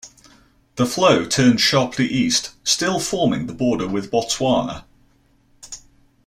The flow turns sharply east, still forming the border with Botswana.